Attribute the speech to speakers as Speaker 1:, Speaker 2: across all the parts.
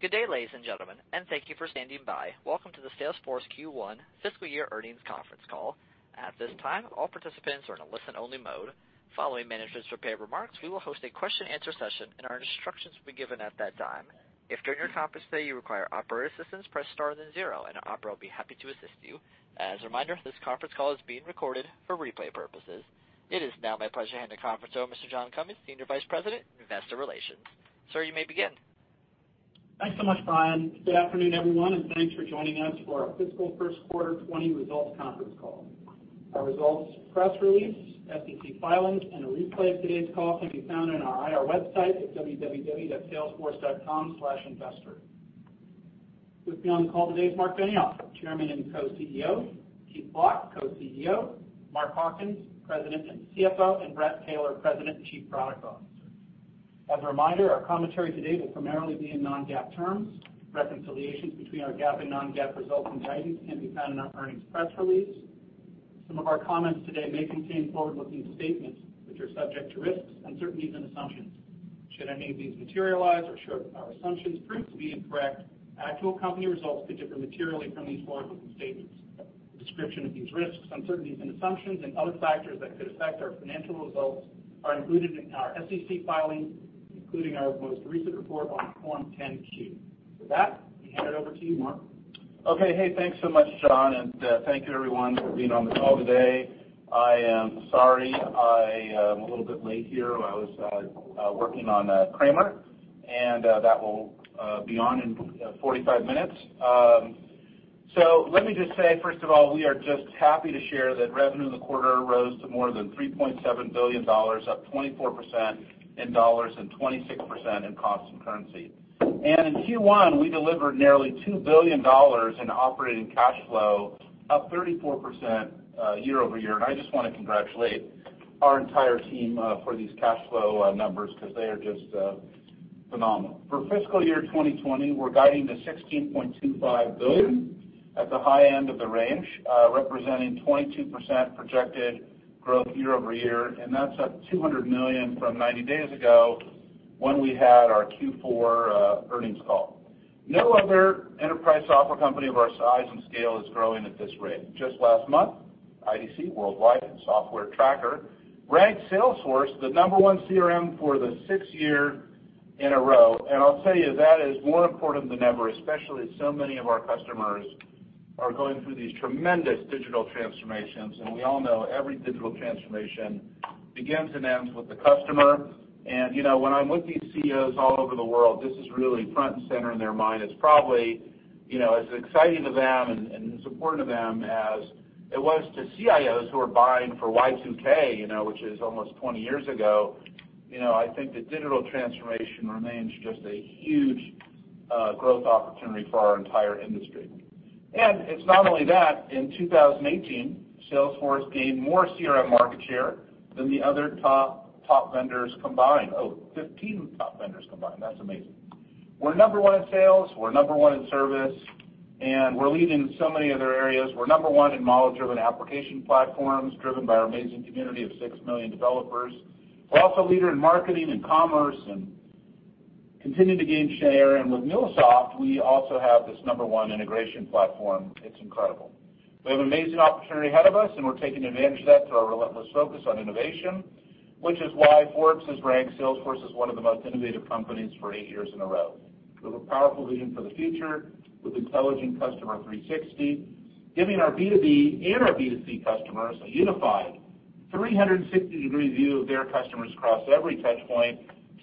Speaker 1: Good day, ladies and gentlemen, thank you for standing by. Welcome to the Salesforce Q1 fiscal year earnings conference call. At this time, all participants are in a listen-only mode. Following management's prepared remarks, we will host a question answer session. Our instructions will be given at that time. If during your conference today you require operator assistance, press star then zero. An operator will be happy to assist you. As a reminder, this conference call is being recorded for replay purposes. It is now my pleasure to hand the conference over to Mr. John Cummings, Senior Vice President of Investor Relations. Sir, you may begin.
Speaker 2: Thanks so much, Brian. Good afternoon, everyone, thanks for joining us for our fiscal first quarter 20 results conference call. Our results, press release, SEC filings, a replay of today's call can be found on our IR website at www.salesforce.com/investor. With me on the call today is Marc Benioff, Chairman and Co-CEO, Keith Block, Co-CEO, Mark Hawkins, President and CFO, Bret Taylor, President and Chief Product Officer. As a reminder, our commentary today will primarily be in non-GAAP terms. Reconciliations between our GAAP and non-GAAP results and guidance can be found in our earnings press release. Some of our comments today may contain forward-looking statements, which are subject to risks, uncertainties, and assumptions. Should any of these materialize or should our assumptions prove to be incorrect, actual company results could differ materially from these forward-looking statements. A description of these risks, uncertainties, assumptions and other factors that could affect our financial results are included in our SEC filings, including our most recent report on Form 10-Q. With that, let me hand it over to you, Marc.
Speaker 3: Okay. Hey, thanks so much, John, thank you everyone for being on the call today. I am sorry I am a little bit late here. I was working on Cramer. That will be on in 45 minutes. Let me just say, first of all, we are just happy to share that revenue in the quarter rose to more than $3.7 billion, up 24% in dollars and 26% in constant currency. In Q1, we delivered nearly $2 billion in operating cash flow, up 34% year-over-year. I just want to congratulate our entire team for these cash flow numbers because they are just phenomenal. For fiscal year 2020, we're guiding to $16.25 billion at the high end of the range, representing 22% projected growth year-over-year. That's up $200 million from 90 days ago when we had our Q4 earnings call. No other enterprise software company of our size and scale is growing at this rate. Just last month, IDC Worldwide Software Tracker ranked Salesforce the number one CRM for the sixth year in a row. I'll tell you, that is more important than ever, especially as so many of our customers are going through these tremendous digital transformations. We all know every digital transformation begins and ends with the customer. When I'm with these CEOs all over the world, this is really front and center in their mind. It's probably as exciting to them and supportive of them as it was to CIOs who were buying for Y2K, which is almost 20 years ago. I think the digital transformation remains just a huge growth opportunity for our entire industry. It's not only that. In 2018, Salesforce gained more CRM market share than the other top 15 vendors combined. That's amazing. We're number one in sales, we're number one in service, and we're leading so many other areas. We're number one in model-driven application platforms, driven by our amazing community of six million developers. We're also a leader in marketing and commerce, and continuing to gain share. With MuleSoft, we also have this number one integration platform. It's incredible. We have an amazing opportunity ahead of us, and we're taking advantage of that through our relentless focus on innovation, which is why Forbes has ranked Salesforce as one of the most innovative companies for eight years in a row. We have a powerful vision for the future with Intelligent Customer 360, giving our B2B and our B2C customers a unified 360-degree view of their customers across every touch point,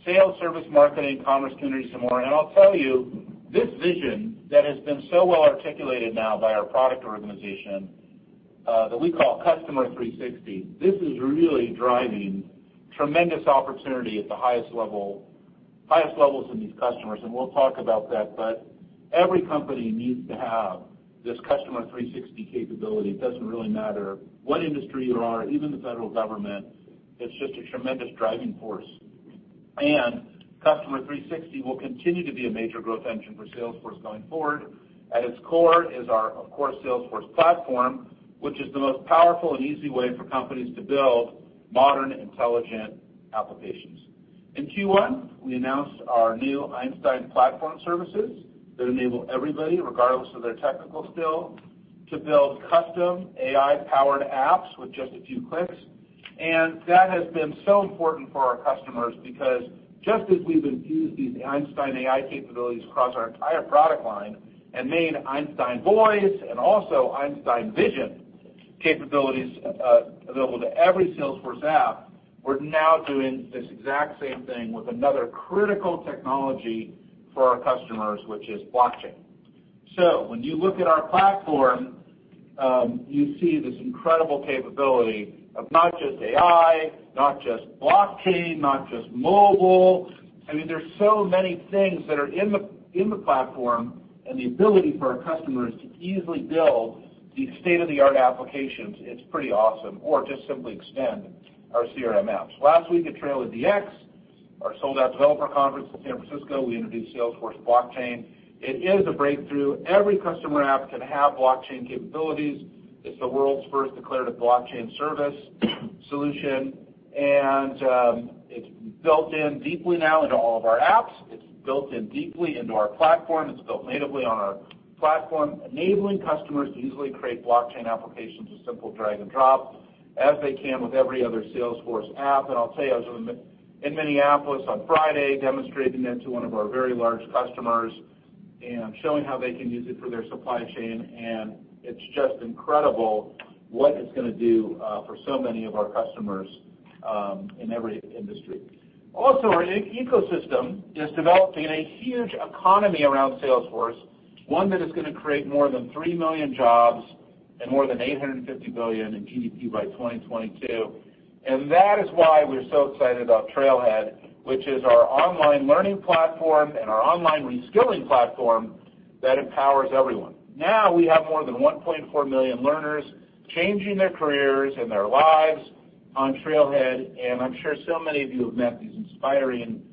Speaker 3: sales, service, marketing, commerce, community, some more. I'll tell you, this vision that has been so well-articulated now by our product organization, that we call Customer 360, this is really driving tremendous opportunity at the highest levels in these customers, and we'll talk about that. Every company needs to have this Customer 360 capability. It doesn't really matter what industry you are, even the federal government. It's just a tremendous driving force. Customer 360 will continue to be a major growth engine for Salesforce going forward. At its core is our, of course, Salesforce platform, which is the most powerful and easy way for companies to build modern, intelligent applications. In Q1, we announced our new Einstein platform services that enable everybody, regardless of their technical skill, to build custom AI-powered apps with just a few clicks. That has been so important for our customers because just as we've infused these Einstein AI capabilities across our entire product line and made Einstein Voice and also Einstein Vision capabilities available to every Salesforce app, we're now doing this exact same thing with another critical technology for our customers, which is blockchain. When you look at our platform, you see this incredible capability of not just AI, not just blockchain, not just mobile. I mean, there's so many things that are in the platform, and the ability for our customers to easily build these state-of-the-art applications, it's pretty awesome, or just simply extend our CRM apps. Last week at TrailheaDX, our sold-out developer conference in San Francisco, we introduced Salesforce Blockchain. It is a breakthrough. Every customer app can have blockchain capabilities. It's the world's first declarative blockchain service solution. It's built in deeply now into all of our apps. It's built in deeply into our platform. It's built natively on our platform, enabling customers to easily create blockchain applications with simple drag and drop as they can with every other Salesforce app. I'll tell you, I was in Minneapolis on Friday demonstrating it to one of our very large customers, and showing how they can use it for their supply chain, and it's just incredible what it's going to do for so many of our customers in every industry. Also, our ecosystem is developing a huge economy around Salesforce, one that is going to create more than 3 million jobs and more than $850 billion in GDP by 2022. That is why we're so excited about Trailhead, which is our online learning platform and our online reskilling platform that empowers everyone. Now, we have more than 1.4 million learners changing their careers and their lives on Trailhead, and I'm sure so many of you have met these inspiring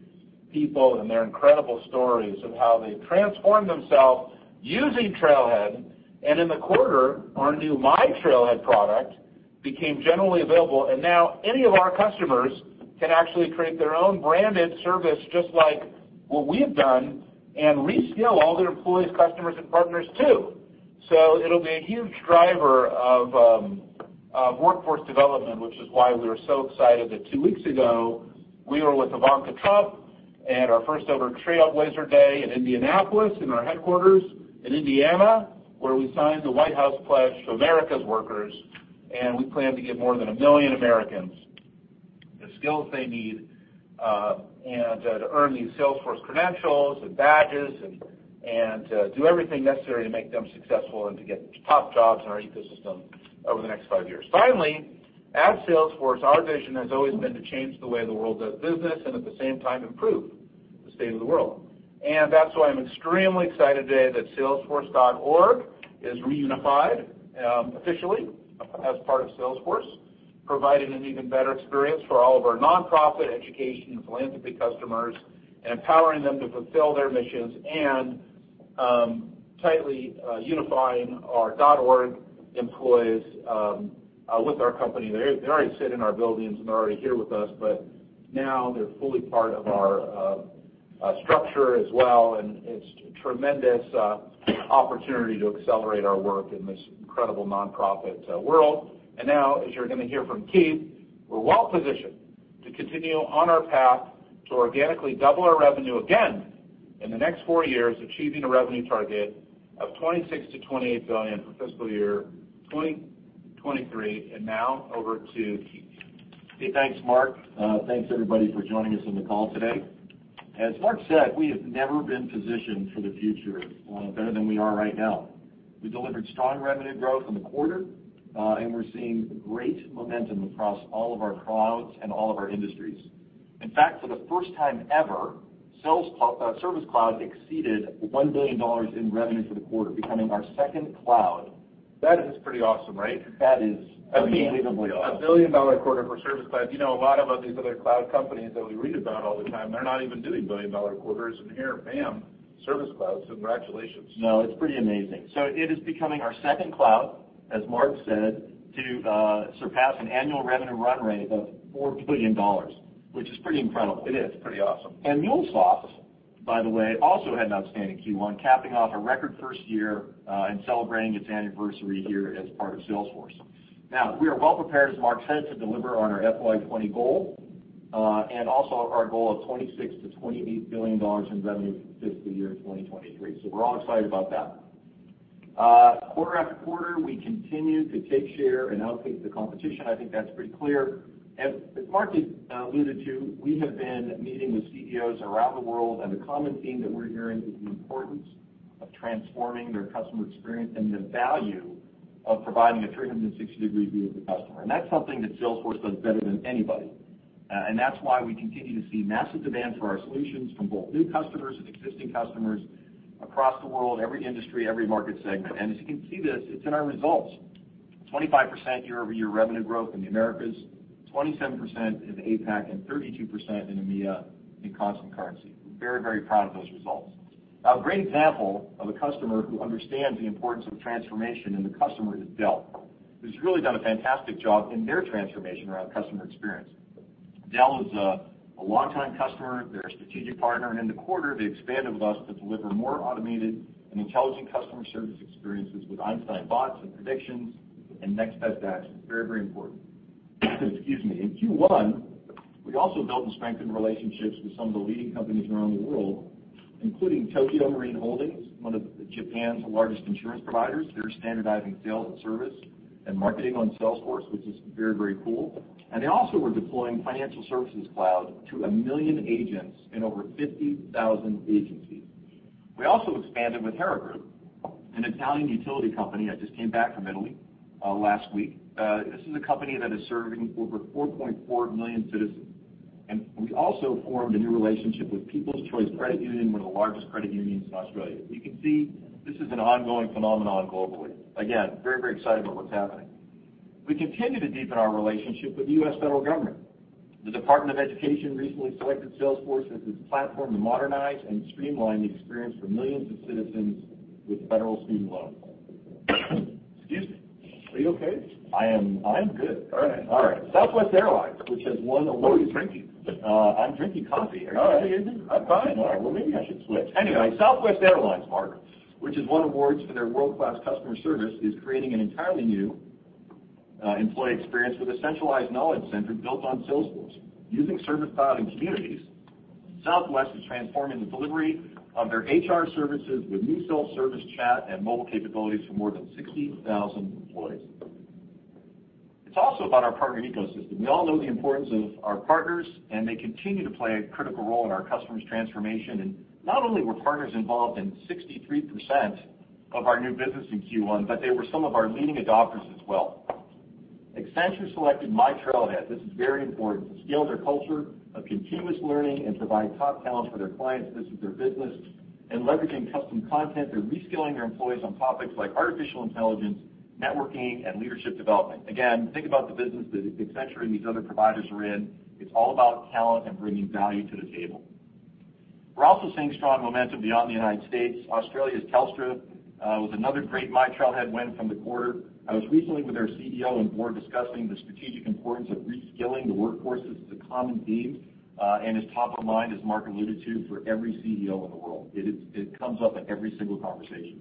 Speaker 3: people and their incredible stories of how they transformed themselves using Trailhead. In the quarter, our new myTrailhead product became generally available, and now any of our customers can actually create their own branded service, just like what we have done, and reskill all their employees, customers, and partners, too. It'll be a huge driver of workforce development, which is why we were so excited that 2 weeks ago, we were with Ivanka Trump at our first-ever Trailblazer Day in Indianapolis, in our headquarters in Indiana, where we signed the White House Pledge to America's Workers. We plan to give more than 1 million Americans the skills they need to earn these Salesforce credentials and badges, and to do everything necessary to make them successful and to get top jobs in our ecosystem over the next 5 years. Finally, at Salesforce, our vision has always been to change the way the world does business and, at the same time, improve the state of the world. That's why I'm extremely excited today that Salesforce.org is reunified officially as part of Salesforce, providing an even better experience for all of our nonprofit, education, and philanthropy customers, and empowering them to fulfill their missions, and tightly unifying our .org employees with our company. They already sit in our buildings, and they're already here with us, but now they're fully part of our structure as well, and it's a tremendous opportunity to accelerate our work in this incredible nonprofit world. Now, as you're going to hear from Keith, we're well positioned to continue on our path to organically double our revenue again in the next 4 years, achieving a revenue target of $26 billion-$28 billion for fiscal year 2023. Now, over to Keith.
Speaker 4: Hey, thanks, Mark. Thanks, everybody, for joining us on the call today. As Marc said, we have never been positioned for the future better than we are right now. We delivered strong revenue growth in the quarter. We're seeing great momentum across all of our clouds and all of our industries. In fact, for the first time ever, Service Cloud exceeded $1 billion in revenue for the quarter, becoming our second cloud.
Speaker 3: That is pretty awesome, right?
Speaker 4: That is unbelievably awesome.
Speaker 3: A billion-dollar quarter for Service Cloud. You know, a lot of these other cloud companies that we read about all the time, they're not even doing billion-dollar quarters. Here, bam, Service Cloud. Congratulations.
Speaker 4: It's pretty amazing. It is becoming our second cloud, as Marc said, to surpass an annual revenue run rate of $4 billion, which is pretty incredible.
Speaker 3: It is. Pretty awesome.
Speaker 4: MuleSoft, by the way, also had an outstanding Q1, capping off a record first year and celebrating its anniversary here as part of Salesforce. Now, we are well prepared, as Marc said, to deliver on our FY 2020 goal, and also our goal of $26 billion-$28 billion in revenue for fiscal year 2023. We're all excited about that. Quarter after quarter, we continue to take share and outpace the competition. I think that's pretty clear. As Marc alluded to, we have been meeting with CEOs around the world, and the common theme that we're hearing is the importance of transforming their customer experience and the value of providing a 360-degree view of the customer. That's something that Salesforce does better than anybody. That's why we continue to see massive demand for our solutions from both new customers and existing customers across the world, every industry, every market segment. As you can see this, it's in our results. 25% year-over-year revenue growth in the Americas, 27% in the APAC, and 32% in EMEA in constant currency. We're very proud of those results. Now, a great example of a customer who understands the importance of transformation in the customer is Dell, who's really done a fantastic job in their transformation around customer experience. Dell is a longtime customer. They're a strategic partner, and in the quarter, they expanded with us to deliver more automated and intelligent customer service experiences with Einstein bots and predictions, and next best action. Very important. Excuse me. In Q1, we also built and strengthened relationships with some of the leading companies around the world, including Tokio Marine Holdings, one of Japan's largest insurance providers. They're standardizing Sales and Service and Marketing on Salesforce, which is very cool. They also were deploying Financial Services Cloud to 1 million agents in over 50,000 agencies. We also expanded with Hera Group, an Italian utility company. I just came back from Italy last week. This is a company that is serving over 4.4 million citizens. We also formed a new relationship with People's Choice Credit Union, one of the largest credit unions in Australia. You can see this is an ongoing phenomenon globally. Again, very excited about what's happening. We continue to deepen our relationship with the U.S. federal government. The Department of Education recently selected Salesforce as its platform to modernize and streamline the experience for millions of citizens with federal student loans. Excuse me.
Speaker 5: Are you okay?
Speaker 4: I am good.
Speaker 5: All right.
Speaker 4: All right. Southwest Airlines, which has won awards-
Speaker 5: What are you drinking?
Speaker 4: I'm drinking coffee. Are you okay?
Speaker 5: I'm fine.
Speaker 4: All right. Well, maybe I should switch. Anyway, Southwest Airlines, Marc, which has won awards for their world-class customer service, is creating an entirely new employee experience with a centralized knowledge center built on Salesforce. Using Service Cloud and Communities, Southwest is transforming the delivery of their HR services with new self-service chat and mobile capabilities for more than 60,000 employees. It's also about our partner ecosystem. We all know the importance of our partners, and they continue to play a critical role in our customers' transformation. Not only were partners involved in 63% of our new business in Q1, but they were some of our leading adopters as well. Accenture selected myTrailhead, this is very important, to scale their culture of continuous learning and provide top talent for their clients. This is their business. Leveraging custom content, they're reskilling their employees on topics like artificial intelligence, networking, and leadership development. Again, think about the business that Accenture and these other providers are in. It's all about talent and bringing value to the table. We're also seeing strong momentum beyond the U.S. Australia's Telstra was another great myTrailhead win from the quarter. I was recently with their CEO and board discussing the strategic importance of reskilling the workforce. This is a common theme, and is top of mind, as Marc alluded to, for every CEO in the world. It comes up in every single conversation.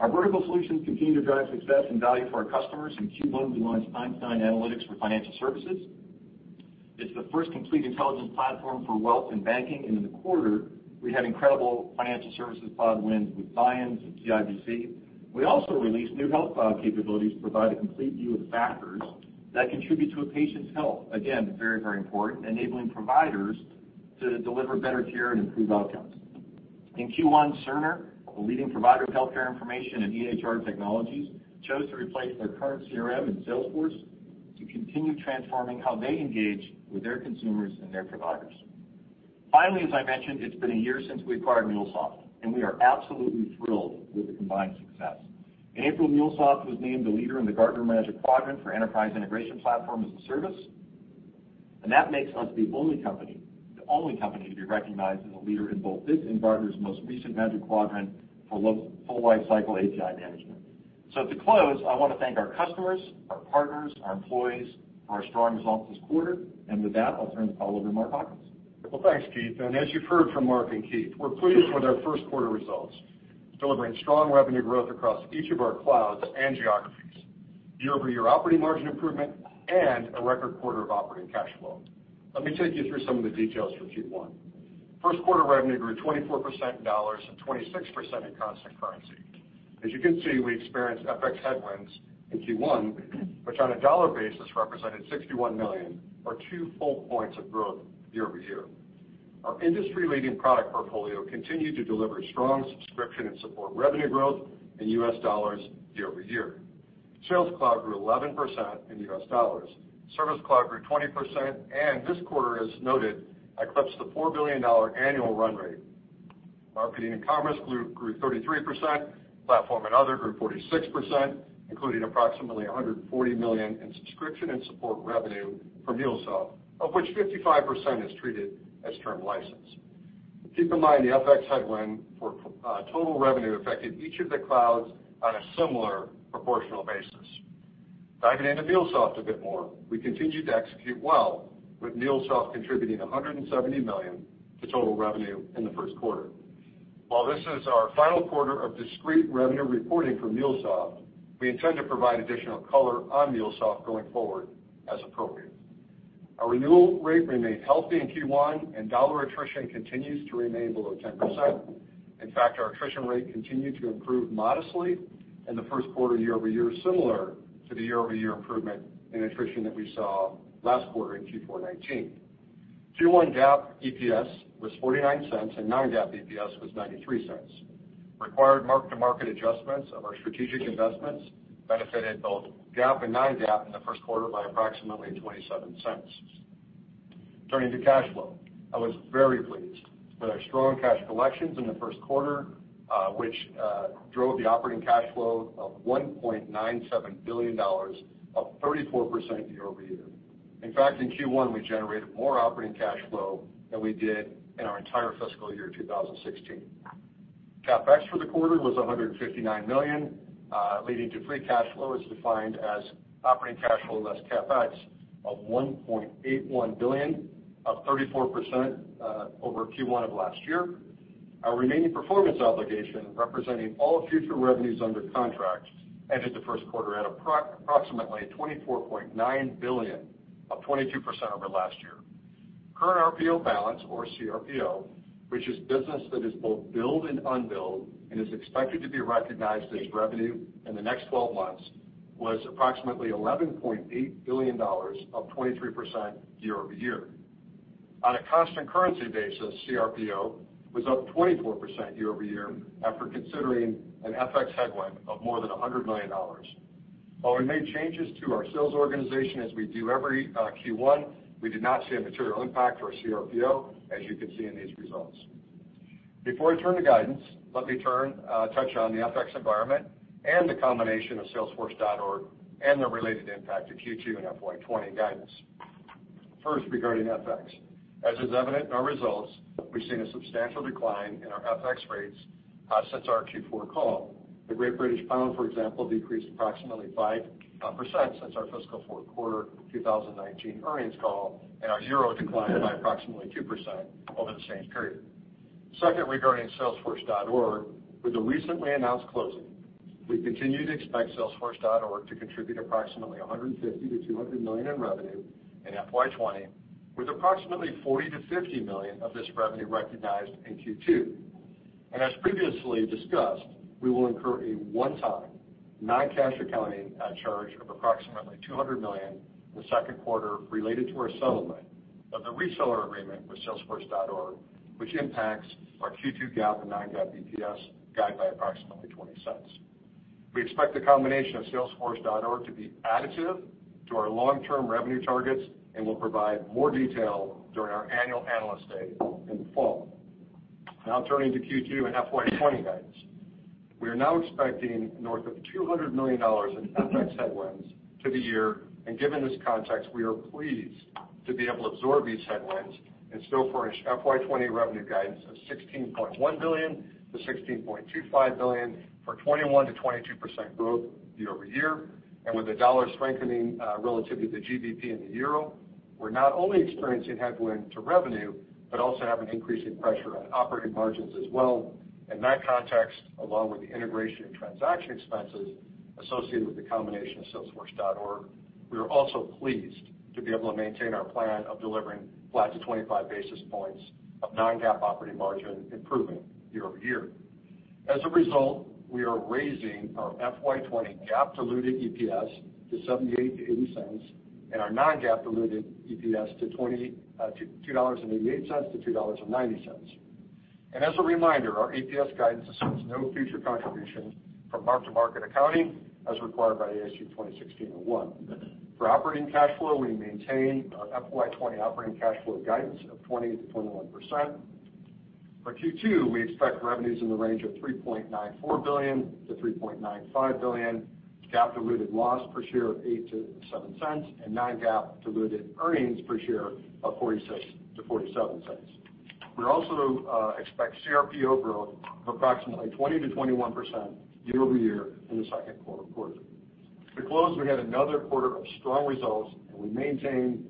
Speaker 4: Our vertical solutions continue to drive success and value for our customers. In Q1, we launched Einstein Analytics for financial services. It's the first complete intelligence platform for wealth and banking. In the quarter, we had incredible Financial Services Cloud wins with buy-ins at CIBC. We also released new Health Cloud capabilities to provide a complete view of the factors that contribute to a patient's health. Again, very, very important, enabling providers to deliver better care and improve outcomes. In Q1, Cerner, a leading provider of healthcare information and EHR technologies, chose to replace their current CRM in Salesforce to continue transforming how they engage with their consumers and their providers. Finally, as I mentioned, it's been a year since we acquired MuleSoft, and we are absolutely thrilled with the combined success. In April, MuleSoft was named the leader in the Gartner Magic Quadrant for Enterprise Integration Platform as a Service, and that makes us the only company to be recognized as a leader in both this and Gartner's most recent Magic Quadrant for full lifecycle API management. To close, I want to thank our customers, our partners, our employees, for our strong results this quarter. With that, I'll turn the call over to Marc Benioff.
Speaker 5: Well, thanks, Keith. As you've heard from Marc and Keith, we're pleased with our first quarter results, delivering strong revenue growth across each of our clouds and geographies, year-over-year operating margin improvement, and a record quarter of operating cash flow. Let me take you through some of the details for Q1. First quarter revenue grew 24% in dollars and 26% in constant currency. As you can see, we experienced FX headwinds in Q1, which on a dollar basis represented $61 million, or two full points of growth year-over-year. Our industry-leading product portfolio continued to deliver strong subscription and support revenue growth in US dollars year-over-year. Sales Cloud grew 11% in US dollars. Service Cloud grew 20%, and this quarter, as noted, eclipsed the $4 billion annual run rate. Marketing and Commerce grew 33%. Platform and other grew 46%, including approximately $140 million in subscription and support revenue from MuleSoft, of which 55% is treated as term license. Keep in mind, the FX headwind for total revenue affected each of the clouds on a similar proportional basis. Diving into MuleSoft a bit more, we continued to execute well, with MuleSoft contributing $170 million to total revenue in the first quarter. While this is our final quarter of discrete revenue reporting for MuleSoft, we intend to provide additional color on MuleSoft going forward as appropriate. Our renewal rate remained healthy in Q1, and dollar attrition continues to remain below 10%. In fact, our attrition rate continued to improve modestly in the first quarter year-over-year, similar to the year-over-year improvement in attrition that we saw last quarter in Q4 2019. Q1 GAAP EPS was $0.49, and non-GAAP EPS was $0.93. Required mark-to-market adjustments of our strategic investments benefited both GAAP and non-GAAP in the first quarter by approximately $0.27. Turning to cash flow, I was very pleased with our strong cash collections in the first quarter, which drove the operating cash flow of $1.97 billion, up 34% year-over-year. In fact, in Q1, we generated more operating cash flow than we did in our entire fiscal year 2016. CapEx for the quarter was $159 million, leading to free cash flow as defined as operating cash flow less CapEx of $1.81 billion, up 34% over Q1 of last year. Our remaining performance obligation, representing all future revenues under contract, ended the first quarter at approximately $24.9 billion, up 22% over last year. Current RPO balance, or CRPO, which is business that is both billed and unbilled and is expected to be recognized as revenue in the next 12 months, was approximately $11.8 billion, up 23% year-over-year. On a constant currency basis, CRPO was up 24% year-over-year after considering an FX headwind of more than $100 million. While we made changes to our sales organization as we do every Q1, we did not see a material impact to our CRPO, as you can see in these results. Before I turn to guidance, let me touch on the FX environment and the combination of Salesforce.org and the related impact to Q2 and FY 2020 guidance. First, regarding FX. As is evident in our results, we've seen a substantial decline in our FX rates since our Q4 call. The Great British pound, for example, decreased approximately 5% since our fiscal fourth quarter 2019 earnings call, and our euro declined by approximately 2% over the same period. Second, regarding Salesforce.org, with the recently announced closing, we continue to expect Salesforce.org to contribute approximately $150 million-$200 million in revenue in FY 2020, with approximately $40 million-$50 million of this revenue recognized in Q2. As previously discussed, we will incur a one-time non-cash accounting charge of approximately $200 million in the second quarter related to our settlement of the reseller agreement with Salesforce.org, which impacts our Q2 GAAP and non-GAAP EPS guide by approximately $0.20. We expect the combination of Salesforce.org to be additive to our long-term revenue targets and will provide more detail during our annual Analyst Day in the fall. Turning to Q2 and FY 2020 guidance. We are now expecting north of $200 million in FX headwinds to the year, given this context, we are pleased to be able to absorb these headwinds and still furnish FY 2020 revenue guidance of $16.1 billion-$16.25 billion for 21%-22% growth year-over-year. With the dollar strengthening relative to the GBP and the euro, we're not only experiencing headwind to revenue, but also have an increasing pressure on operating margins as well. In that context, along with the integration of transaction expenses associated with the combination of Salesforce.org, we are also pleased to be able to maintain our plan of delivering flat to 25 basis points of non-GAAP operating margin improvement year-over-year. As a result, we are raising our FY 2020 GAAP diluted EPS to $0.78-$0.80 and our non-GAAP diluted EPS to $2.88-$2.90. As a reminder, our EPS guidance assumes no future contribution from mark-to-market accounting as required by ASU 2016-01. For operating cash flow, we maintain our FY 2020 operating cash flow guidance of 20%-21%. For Q2, we expect revenues in the range of $3.94 billion-$3.95 billion, GAAP diluted loss per share of $0.08-$0.07, and non-GAAP diluted earnings per share of $0.46-$0.47. We also expect CRPO growth of approximately 20%-21% year-over-year in the second quarter. To close, we had another quarter of strong results, and we maintain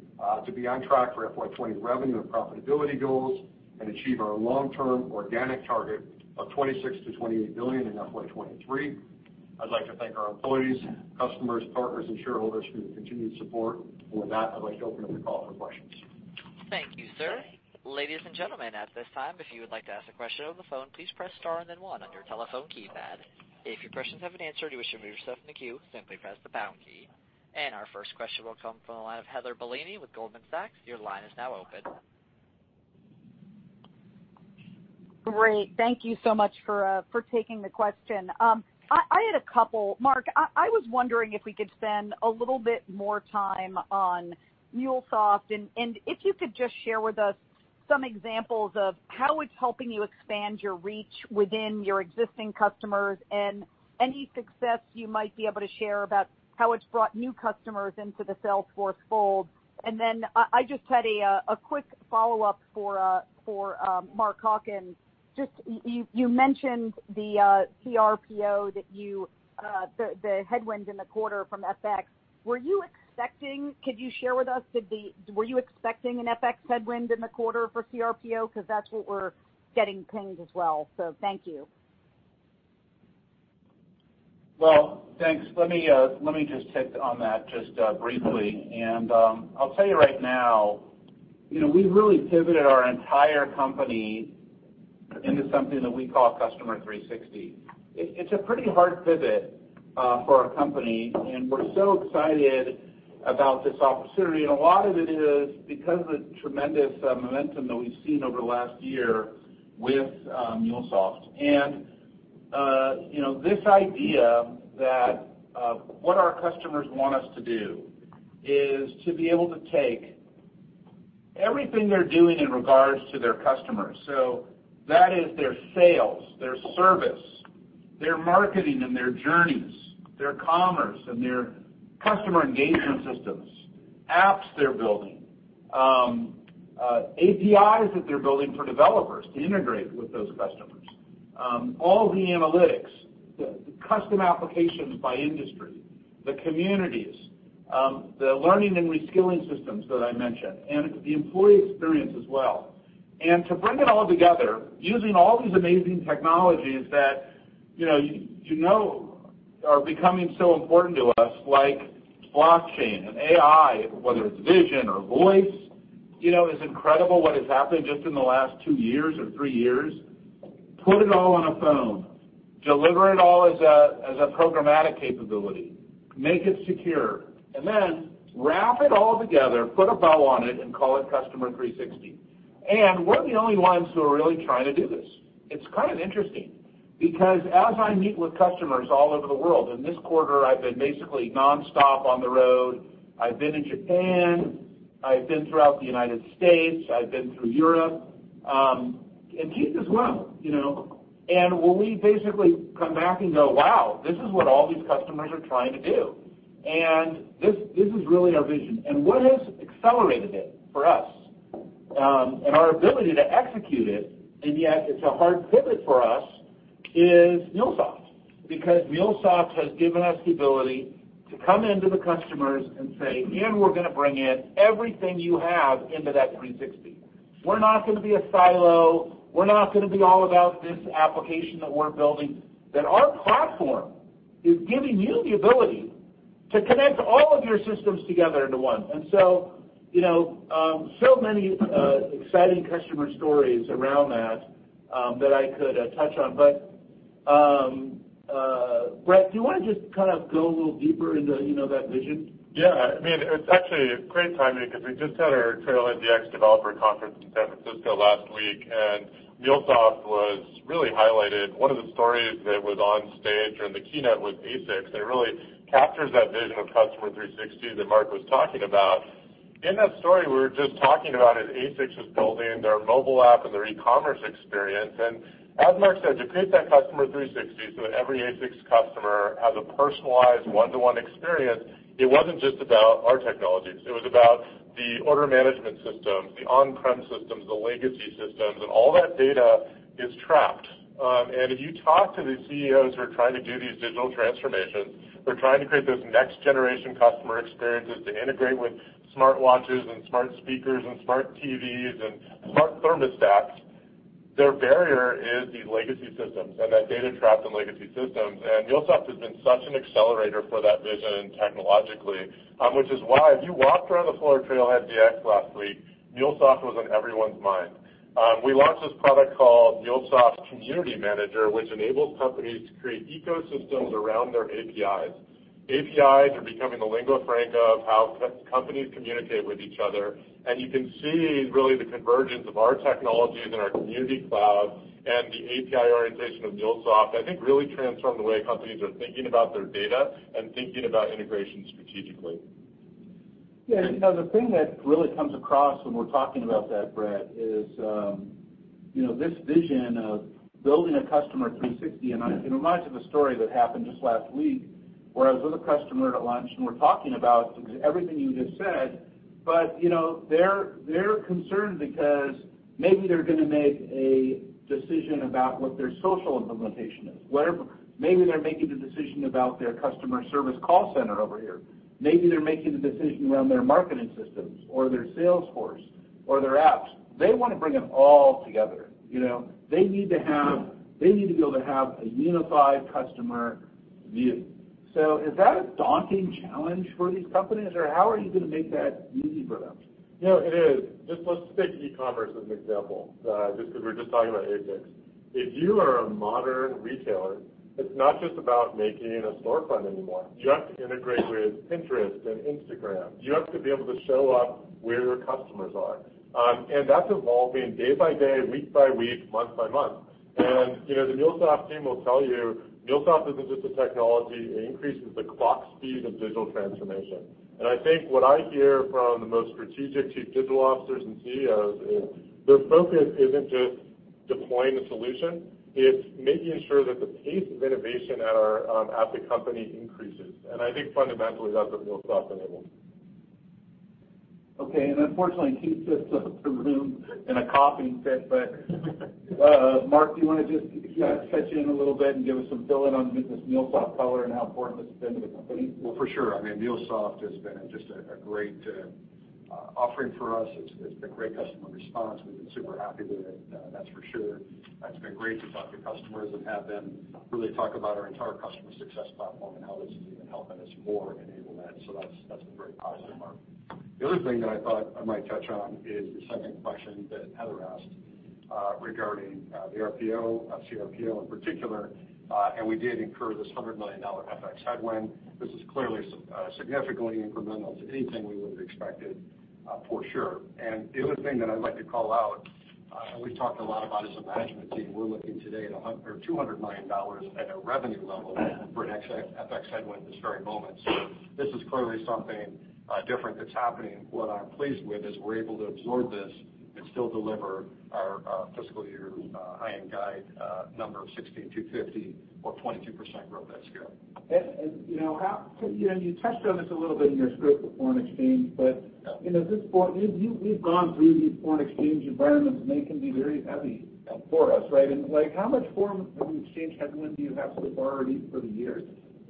Speaker 5: to be on track for FY 2020 revenue and profitability goals and achieve our long-term organic target of $26 billion-$28 billion in FY 2023. I'd like to thank our employees, customers, partners, and shareholders for your continued support. With that, I'd like to open up the call for questions.
Speaker 1: Thank you, sir. Ladies and gentlemen, at this time, if you would like to ask a question on the phone, please press star and then one on your telephone keypad. If your questions have been answered or you wish to remove yourself from the queue, simply press the pound key. Our first question will come from the line of Heather Bellini with Goldman Sachs. Your line is now open.
Speaker 6: Great. Thank you so much for taking the question. I had a couple. Marc, I was wondering if we could spend a little bit more time on MuleSoft, and if you could just share with us some examples of how it's helping you expand your reach within your existing customers and any success you might be able to share about how it's brought new customers into the Salesforce fold. I just had a quick follow-up for Mark Hawkins. You mentioned the CRPO, the headwinds in the quarter from FX. Could you share with us, were you expecting an FX headwind in the quarter for CRPO? Because that's what we're getting pinged as well. Thank you.
Speaker 3: Well, thanks. Let me just take on that just briefly. I'll tell you right now, we've really pivoted our entire company into something that we call Customer 360. It's a pretty hard pivot for our company, and we're so excited about this opportunity. A lot of it is because of the tremendous momentum that we've seen over the last year with MuleSoft. This idea that what our customers want us to do is to be able to take everything they're doing in regards to their customers. That is their sales, their service, their marketing and their journeys, their commerce and their customer engagement systems, apps they're building, APIs that they're building for developers to integrate with those customers, all the analytics, the custom applications by industry, the communities, the learning and reskilling systems that I mentioned, and the employee experience as well. To bring it all together, using all these amazing technologies that you know are becoming so important to us, like blockchain and AI, whether it's Vision or Voice, is incredible what has happened just in the last 2 years or 3 years. Put it all on a phone, deliver it all as a programmatic capability, make it secure, then wrap it all together, put a bow on it, and call it Customer 360. We're the only ones who are really trying to do this. It's kind of interesting, because as I meet with customers all over the world, in this quarter, I've been basically nonstop on the road. I've been in Japan, I've been throughout the U.S., I've been through Europe. Keith as well. We basically come back and go, "Wow, this is what all these customers are trying to do." This is really our vision. What has accelerated it for us, and our ability to execute it, and yet it's a hard pivot for us, is MuleSoft, because MuleSoft has given us the ability to come into the customers and say, "We're going to bring in everything you have into that Customer 360." We're not going to be a silo. We're not going to be all about this application that we're building. That our platform is giving you the ability to connect all of your systems together into one. So many exciting customer stories around that that I could touch on. Bret, do you want to just go a little deeper into that vision?
Speaker 7: Yeah. It's actually great timing because we just had our TrailheaDX developer conference in San Francisco last week, MuleSoft was really highlighted. One of the stories that was on stage during the keynote was ASICS, and it really captures that vision of Customer 360 that Marc was talking about. In that story we were just talking about is ASICS is building their mobile app and their e-commerce experience. As Marc said, to create that Customer 360 so that every ASICS customer has a personalized one-to-one experience, it wasn't just about our technologies. It was about the order management systems, the on-prem systems, the legacy systems, and all that data is trapped. If you talk to the CEOs who are trying to do these digital transformations, they're trying to create those next-generation customer experiences to integrate with smart watches and smart speakers and smart TVs and smart thermostats. Their barrier is these legacy systems, and that data trapped in legacy systems. MuleSoft has been such an accelerator for that vision technologically. Which is why if you walked around the floor at TrailheaDX last week, MuleSoft was on everyone's mind. We launched this product called MuleSoft Community Manager, which enables companies to create ecosystems around their APIs. APIs are becoming the lingua franca of how companies communicate with each other, and you can see really the convergence of our technologies and our Community Cloud and the API orientation of MuleSoft, I think really transform the way companies are thinking about their data and thinking about integration strategically.
Speaker 3: Yeah. The thing that really comes across when we're talking about that, Bret, is this vision of building a Customer 360, it reminds me of a story that happened just last week, where I was with a customer at lunch, we're talking about everything you just said. They're concerned because maybe they're going to make a decision about what their social implementation is. Maybe they're making the decision about their customer service call center over here. Maybe they're making the decision around their marketing systems or their Salesforce or their apps. They want to bring them all together. They need to be able to have a unified customer view. Is that a daunting challenge for these companies? How are you going to make that easy for them?
Speaker 7: It is. Just let's take e-commerce as an example, just because we were just talking about ASICS. If you are a modern retailer, it's not just about making it a storefront anymore. You have to integrate with Pinterest and Instagram. You have to be able to show up where your customers are. That's evolving day by day, week by week, month by month. The MuleSoft team will tell you MuleSoft isn't just a technology. It increases the clock speed of digital transformation. I think what I hear from the most strategic chief digital officers and CEOs is their focus isn't just deploying the solution, it's making sure that the pace of innovation at the company increases. I think fundamentally, that's what MuleSoft enables.
Speaker 3: Okay. Unfortunately, Keith just left the room in a coughing fit, Mark, do you want to just-
Speaker 5: Yeah
Speaker 3: touch in a little bit and give us some fill-in on just this MuleSoft power and how important it's been to the company?
Speaker 5: Well, for sure. MuleSoft has been just a great offering for us. It's been great customer response. We've been super happy with it, that's for sure. It's been great to talk to customers and have them really talk about our entire customer success platform and how this is even helping us more enable that. That's been very positive, Mark. The other thing that I thought I might touch on is the second question that Heather asked regarding the RPO, CRPO in particular, we did incur this $100 million FX headwind. This is clearly significantly incremental to anything we would've expected, for sure. The other thing that I'd like to call out, we've talked a lot about as a management team, we're looking today at $200 million at a revenue level for an FX headwind this very moment. This is clearly something different that's happening. What I'm pleased with is we're able to absorb this and still deliver our fiscal year high-end guide number of $16,250 or 22% growth at scale.
Speaker 3: You touched on this a little bit in your script with foreign exchange, we've gone through these foreign exchange environments, they can be very heavy for us, right? How much foreign exchange headwind do you have so far, at least for the year?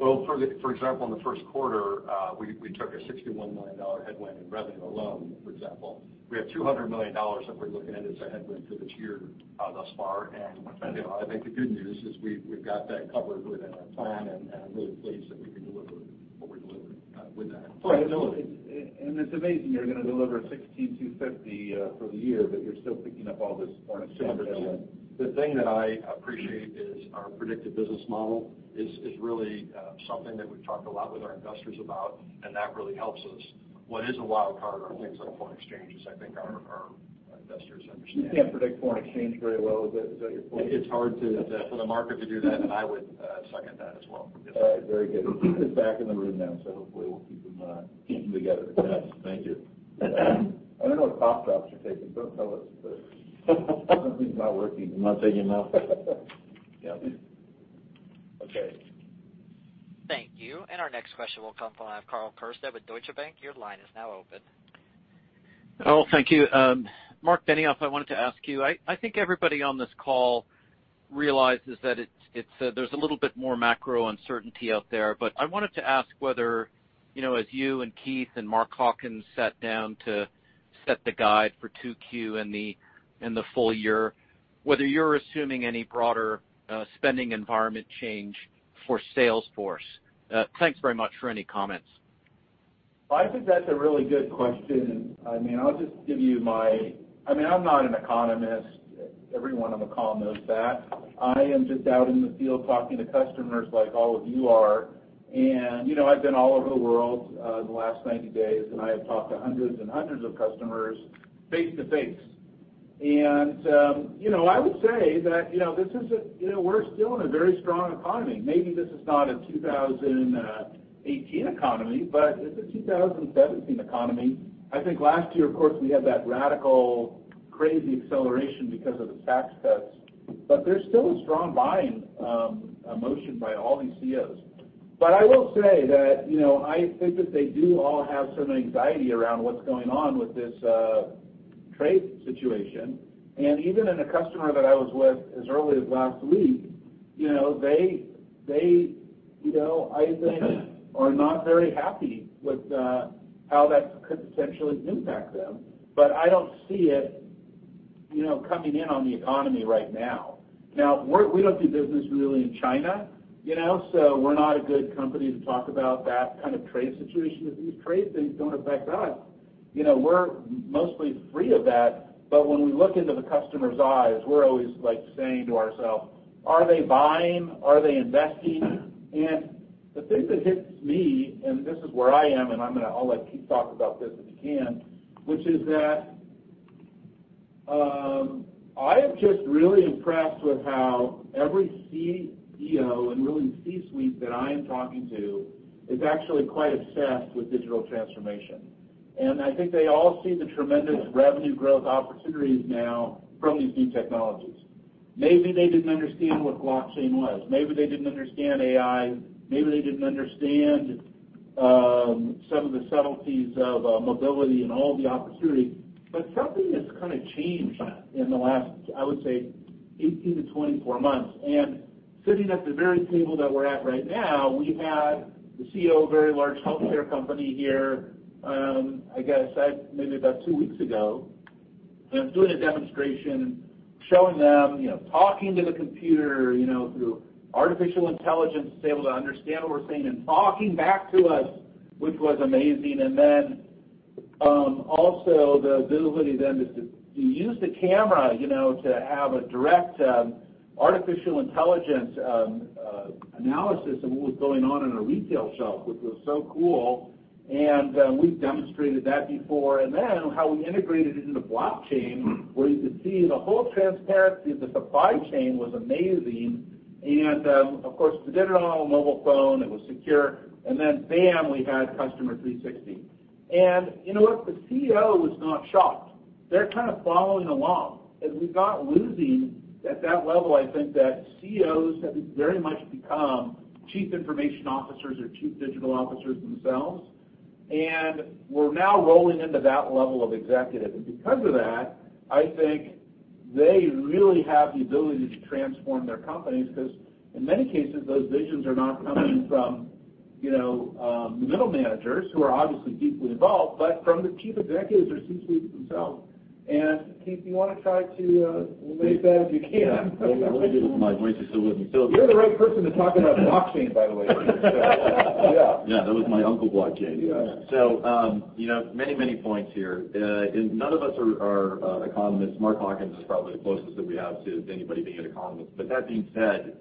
Speaker 5: Well, for example, in the first quarter, we took a $61 million headwind in revenue alone, for example. We have $200 million that we're looking at as a headwind for this year thus far, I think the good news is we've got that covered within our plan, I'm really pleased that we can deliver what we're delivering with that flexibility.
Speaker 3: It's amazing you're going to deliver $16,250 for the year, but you're still picking up all this foreign exchange headwind.
Speaker 5: The thing that I appreciate is our predicted business model is really something that we've talked a lot with our investors about, and that really helps us. What is a wild card are things like foreign exchanges, I think our investors understand.
Speaker 3: You can't predict foreign exchange very well. Is that your point?
Speaker 5: It's hard to.
Speaker 3: Exactly
Speaker 5: for the market to do that, and I would second that as well.
Speaker 3: All right. Very good. Keith is back in the room now, hopefully we'll keep him together.
Speaker 5: Yes. Thank you.
Speaker 3: I don't know what cough drops you're taking. Don't tell us, please. Something's not working.
Speaker 5: I'm not taking them.
Speaker 3: YepOkay.
Speaker 1: Thank you. Our next question will come from Karl Keirstead with Deutsche Bank. Your line is now open.
Speaker 8: Karl, thank you. Marc Benioff, I wanted to ask you, I think everybody on this call realizes that there's a little bit more macro uncertainty out there. I wanted to ask whether, as you and Keith and Mark Hawkins sat down to set the guide for two Q and the full year, whether you're assuming any broader spending environment change for Salesforce. Thanks very much for any comments.
Speaker 3: I think that's a really good question. I'm not an economist. Everyone on the call knows that. I am just out in the field talking to customers like all of you are. I've been all over the world, in the last 90 days, and I have talked to hundreds and hundreds of customers face to face. I would say that we're still in a very strong economy. Maybe this is not a 2018 economy, it's a 2017 economy. I think last year, of course, we had that radical, crazy acceleration because of the tax cuts, there's still a strong buying emotion by all these CEOs. I will say that, I think that they do all have some anxiety around what's going on with this trade situation. Even in a customer that I was with as early as last week, they are not very happy with how that could potentially impact them. I don't see it coming in on the economy right now. We don't do business really in China, so we're not a good company to talk about that kind of trade situation because these trade things don't affect us. We're mostly free of that. When we look into the customer's eyes, we're always saying to ourselves, "Are they buying? Are they investing?" The thing that hits me, and this is where I am, and I'll let Keith Block talk about this if he can, which is that, I am just really impressed with how every CEO and really C-suite that I am talking to is actually quite obsessed with digital transformation. I think they all see the tremendous revenue growth opportunities now from these new technologies. Maybe they didn't understand what blockchain was. Maybe they didn't understand AI. Maybe they didn't understand some of the subtleties of mobility and all the opportunities. Something has changed in the last, I would say, 18 to 24 months. Sitting at the very table that we're at right now, we had the CEO of a very large healthcare company here, I guess maybe about two weeks ago. I was doing a demonstration, showing them, talking to the computer, through artificial intelligence, it's able to understand what we're saying and talking back to us, which was amazing. Also the ability then to use the camera to have a direct artificial intelligence analysis of what was going on in a retail shop, which was so cool. We've demonstrated that before. How we integrated it into blockchain, where you could see the whole transparency of the supply chain was amazing. Of course, we did it all on a mobile phone. It was secure. Bam, we had Customer 360. You know what? The CEO was not shocked. They're following along, and we're not losing at that level. I think that CEOs have very much become Chief Information Officers or Chief Digital Officers themselves, and we're now rolling into that level of executive. Because of that, I think they really have the ability to transform their companies, because in many cases, those visions are not coming from middle managers, who are obviously deeply involved, but from the Chief Executives or C-suites themselves. Keith Block, you want to try to relate that if you can?
Speaker 4: Yeah. I want to do this while my voice is still with me.
Speaker 3: You're the right person to talk about blockchain, by the way. Yeah.
Speaker 4: Yeah. That was my uncle, blockchain.
Speaker 3: Yeah.
Speaker 4: Many points here. None of us are economists. Mark Hawkins is probably the closest that we have to anybody being an economist. That being said,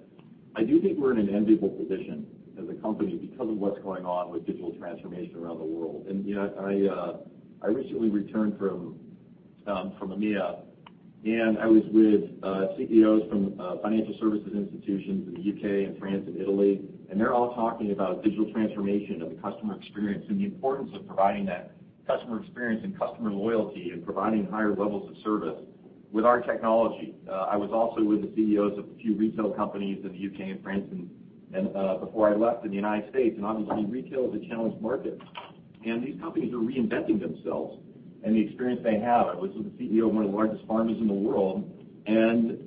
Speaker 4: I do think we're in an enviable position as a company because of what's going on with digital transformation around the world. I recently returned from EMEA, and I was with CEOs from financial services institutions in the U.K. and France and Italy, and they're all talking about digital transformation of the customer experience and the importance of providing that customer experience and customer loyalty and providing higher levels of service with our technology. I was also with the CEOs of a few retail companies in the U.K. and France before I left, in the United States, and obviously retail is a challenged market. These companies are reinventing themselves and the experience they have. I was with the CEO of one of the largest pharmacies in the world, and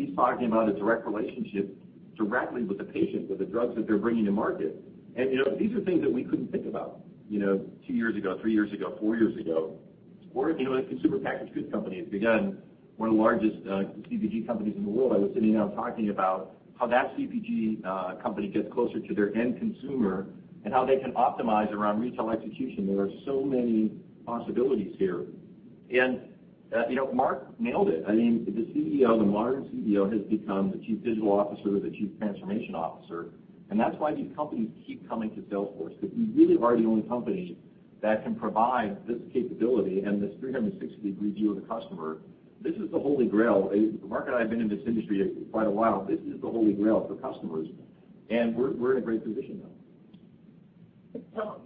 Speaker 4: he's talking about a direct relationship directly with the patient, with the drugs that they're bringing to market. These are things that we couldn't think about two years ago, three years ago, four years ago. A consumer packaged goods company, again, one of the largest CPG companies in the world. I was sitting down talking about how that CPG company gets closer to their end consumer, and how they can optimize around retail execution. There are so many possibilities here. Marc nailed it. The modern CEO has become the chief digital officer, the chief transformation officer, and that's why these companies keep coming to Salesforce, because we really are the only company that can provide this capability and this 360-degree view of the customer. This is the Holy Grail. Marc and I have been in this industry quite a while. This is the Holy Grail for customers. We're in a great position now.
Speaker 3: Tom,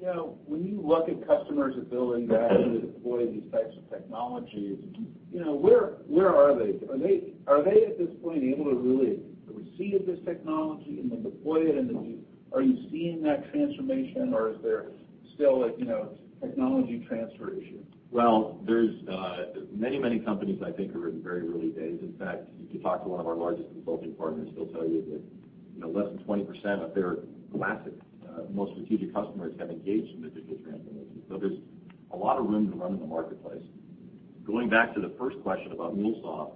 Speaker 3: when you look at customers' ability to actually deploy these types of technologies, where are they? Are they, at this point, able to really receive this technology and then deploy it? Are you seeing that transformation or is there still a technology transfer issue?
Speaker 4: Well, there's many companies, I think, are in the very early days. In fact, if you talk to one of our largest consulting partners, they'll tell you that less than 20% of their classic, most strategic customers have engaged in the digital transformation. There's a lot of room to run in the marketplace. Going back to the first question about MuleSoft,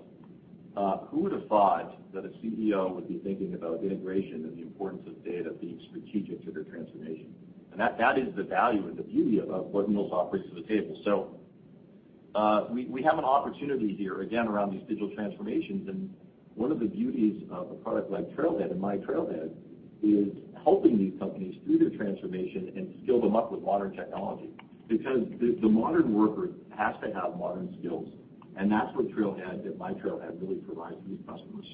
Speaker 4: who would've thought that a CEO would be thinking about integration and the importance of data being strategic to their transformation? That is the value and the beauty about what MuleSoft brings to the table. We have an opportunity here, again, around these digital transformations, and one of the beauties of a product like Trailhead and myTrailhead is helping these companies through their transformation and skill them up with modern technology. The modern worker has to have modern skills. That's what Trailhead and myTrailhead really provides to these customers.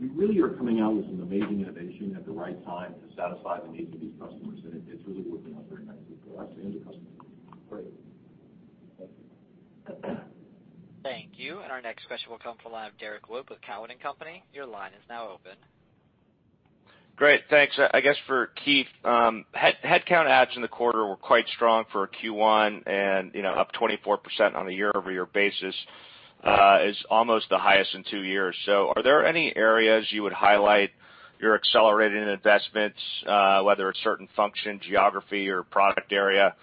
Speaker 4: We really are coming out with some amazing innovation at the right time to satisfy the needs of these customers, and it's really working out very nicely for us and the customer.
Speaker 8: Great.
Speaker 1: Thank you. Our next question will come from the line of Derrick Wood with Cowen and Company. Your line is now open.
Speaker 9: Great. Thanks. I guess, for Keith Block, headcount adds in the quarter were quite strong for a Q1 and up 24% on a year-over-year basis. Is almost the highest in two years. Are there any areas you would highlight you're accelerating investments, whether it's certain function, geography, or product area?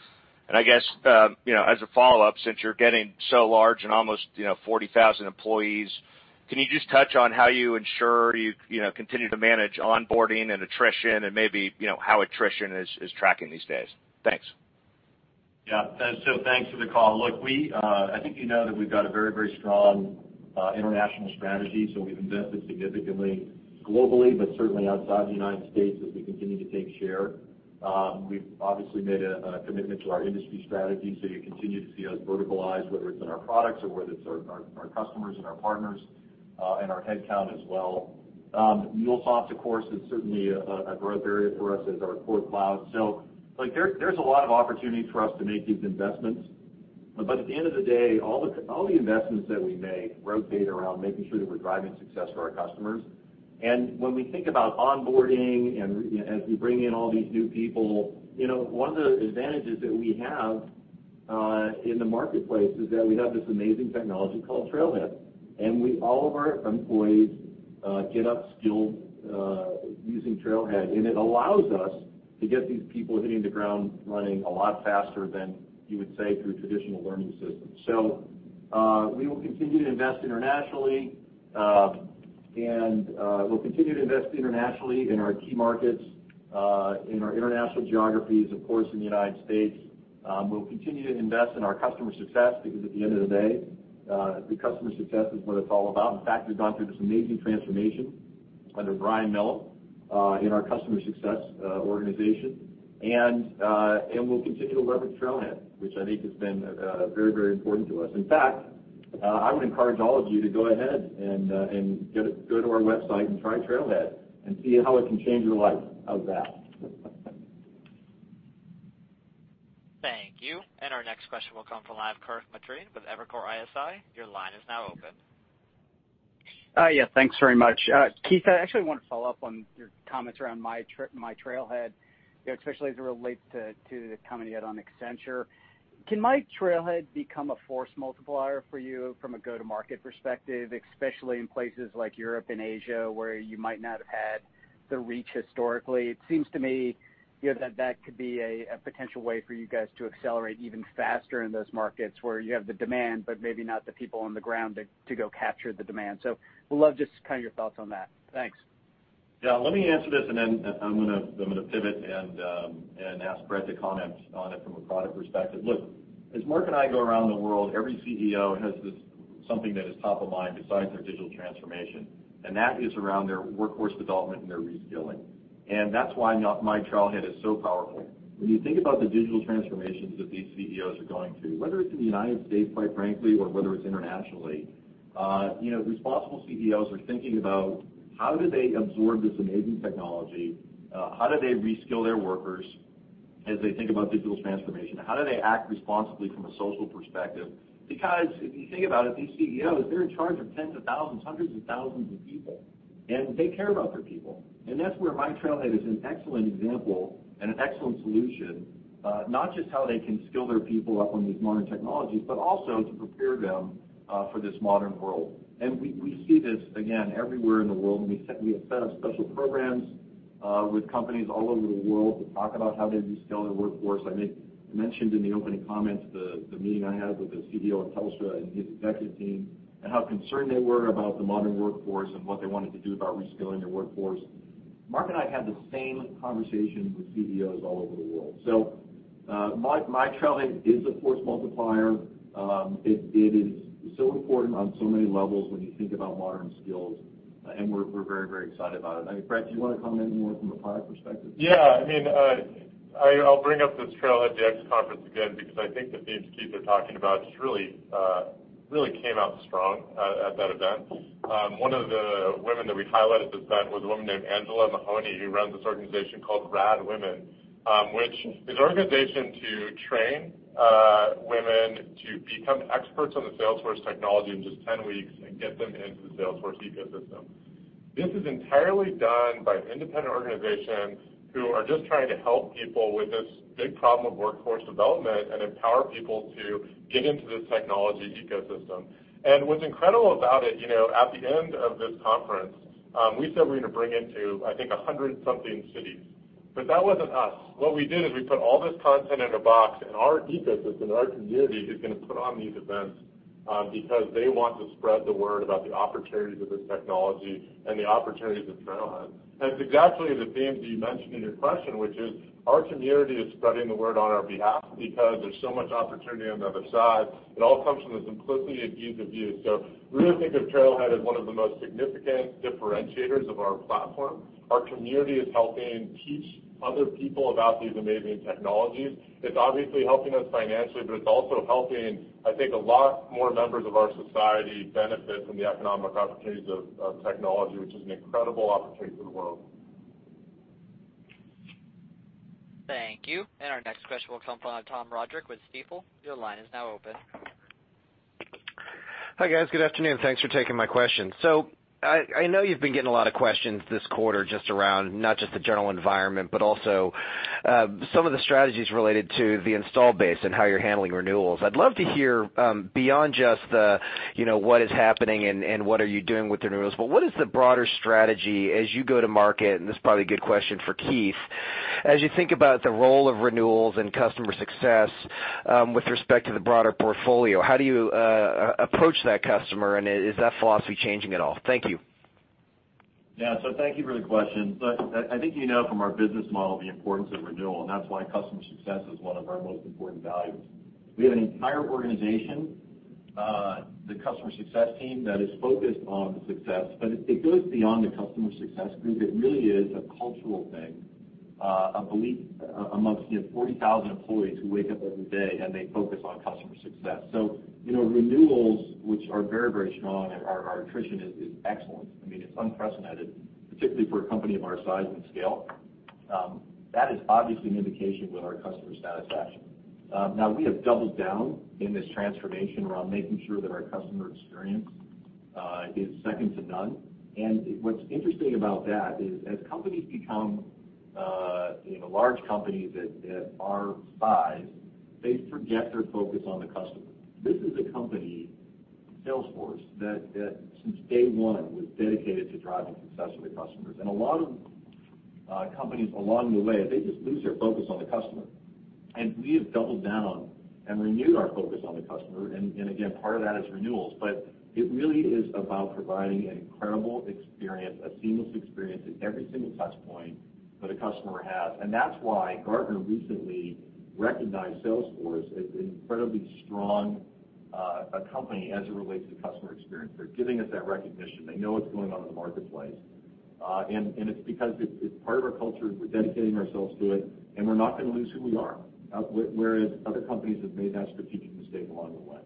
Speaker 9: I guess, as a follow-up, since you're getting so large and almost 40,000 employees, can you just touch on how you ensure you continue to manage onboarding and attrition and maybe how attrition is tracking these days? Thanks.
Speaker 4: Yeah. Thanks for the call. Look, I think you know that we've got a very strong international strategy, we've invested significantly globally, but certainly outside the United States as we continue to take share. We've obviously made a commitment to our industry strategy. You continue to see us verticalize, whether it's in our products or whether it's our customers and our partners, and our headcount as well. MuleSoft, of course, is certainly a growth area for us as our core cloud. There's a lot of opportunity for us to make these investments, but at the end of the day, all the investments that we make rotate around making sure that we're driving success for our customers. When we think about onboarding and as we bring in all these new people, one of the advantages that we have in the marketplace is that we have this amazing technology called Trailhead, and all of our employees get upskilled using Trailhead, and it allows us to get these people hitting the ground running a lot faster than you would, say, through traditional learning systems. We'll continue to invest internationally in our key markets, in our international geographies, of course, in the U.S. We'll continue to invest in our customer success because at the end of the day, the customer success is what it's all about. In fact, we've gone through this amazing transformation under Brian Millham, in our customer success organization. We'll continue to leverage Trailhead, which I think has been very important to us. In fact, I would encourage all of you to go ahead and go to our website and try Trailhead and see how it can change your life. How's that?
Speaker 1: Thank you. Our next question will come from the line of Kirk Materne with Evercore ISI. Your line is now open.
Speaker 10: Thanks very much. Keith, I actually want to follow up on your comments around myTrailhead, especially as it relates to the comment you had on Accenture. Can myTrailhead become a force multiplier for you from a go-to-market perspective, especially in places like Europe and Asia where you might not have had the reach historically? It seems to me that that could be a potential way for you guys to accelerate even faster in those markets where you have the demand, but maybe not the people on the ground to go capture the demand. Would love just to kind of your thoughts on that. Thanks.
Speaker 4: Let me answer this. I'm going to pivot and ask Bret to comment on it from a product perspective. Look, as Marc and I go around the world, every CEO has this something that is top of mind besides their digital transformation, and that is around their workforce development and their reskilling. That's why myTrailhead is so powerful. When you think about the digital transformations that these CEOs are going through, whether it's in the U.S., quite frankly, or whether it's internationally, responsible CEOs are thinking about how do they absorb this amazing technology, how do they reskill their workers as they think about digital transformation? How do they act responsibly from a social perspective? Because if you think about it, these CEOs, they're in charge of tens of thousands, hundreds of thousands of people, and they care about their people. That's where myTrailhead is an excellent example and an excellent solution. Not just how they can skill their people up on these modern technologies, but also to prepare them for this modern world. We see this, again, everywhere in the world. We have set up special programs with companies all over the world to talk about how they reskill their workforce. I mentioned in the opening comments the meeting I had with the CEO of Telstra and his executive team, and how concerned they were about the modern workforce and what they wanted to do about reskilling their workforce. Marc and I have the same conversation with CEOs all over the world. myTrailhead is a force multiplier. It is so important on so many levels when you think about modern skills. We're very excited about it. I mean, Bret, do you want to comment any more from a product perspective?
Speaker 7: I'll bring up this TrailheaDX conference again because I think the themes Keith is talking about really came out strong at that event. One of the women that we highlighted at this event was a woman named Angela Mahoney, who runs this organization called RAD Women, which is an organization to train women to become experts on the Salesforce technology in just 10 weeks and get them into the Salesforce ecosystem. This is entirely done by an independent organization who are just trying to help people with this big problem of workforce development and empower people to get into this technology ecosystem. What's incredible about it, at the end of this conference, we said we're going to bring it to, I think, 100 something cities, but that wasn't us. What we did is we put all this content in a box, our ecosystem, and our community is going to put on these events, because they want to spread the word about the opportunities of this technology and the opportunities at Trailhead. It's exactly the theme that you mentioned in your question, which is, our community is spreading the word on our behalf because there's so much opportunity on the other side. It all comes from the simplicity and ease of use. We really think of Trailhead as one of the most significant differentiators of our platform. Our community is helping teach other people about these amazing technologies. It's obviously helping us financially, but it's also helping, I think, a lot more members of our society benefit from the economic opportunities of technology, which is an incredible opportunity for the world.
Speaker 1: Thank you. Our next question will come from Tom Roderick with Stifel. Your line is now open.
Speaker 11: Hi, guys. Good afternoon. Thanks for taking my question. I know you've been getting a lot of questions this quarter just around, not just the general environment, but also some of the strategies related to the install base and how you're handling renewals. I'd love to hear, beyond just the, what is happening, and what are you doing with the renewals. What is the broader strategy as you go to market, and this is probably a good question for Keith, as you think about the role of renewals and customer success, with respect to the broader portfolio, how do you approach that customer, and is that philosophy changing at all? Thank you.
Speaker 4: Yeah. Thank you for the question. I think you know from our business model the importance of renewal, and that's why customer success is one of our most important values. We have an entire organization, the customer success team, that is focused on success. It goes beyond the customer success group. It really is a cultural thing, a belief amongst 40,000 employees who wake up every day, and they focus on customer success. Renewals, which are very strong, and our attrition is excellent. It's unprecedented, particularly for a company of our size and scale. That is obviously an indication with our customer satisfaction. Now, we have doubled down in this transformation around making sure that our customer experience is second to none. What's interesting about that is, as companies become large companies at our size, they forget their focus on the customer. This is a company, Salesforce, that since day one was dedicated to driving success for their customers. A lot of companies along the way, they just lose their focus on the customer. We have doubled down and renewed our focus on the customer, and again, part of that is renewals, but it really is about providing an incredible experience, a seamless experience at every single touch point that a customer has. That is why Gartner recently recognized Salesforce as an incredibly strong company as it relates to customer experience. They are giving us that recognition. They know what is going on in the marketplace. It is because it is part of our culture. We are dedicating ourselves to it, and we are not going to lose who we are. Whereas other companies have made that strategic mistake along the way.